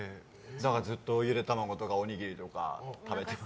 だから、ずっとゆで卵とかおにぎりとか、食べてます。